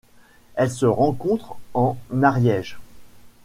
Elle se rencontre en Ariège.